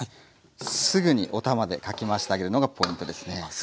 すぐにお玉でかき回してあげるのがポイントですね。